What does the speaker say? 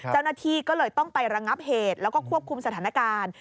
เจ้าหน้าที่ก็เลยต้องไประงับเหตุแล้วก็ควบคุมสถานการณ์